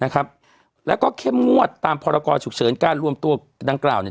แล้วก็เข้มงวดตามพรกรฉุกเฉินการรวมตัวดังกล่าวเนี่ย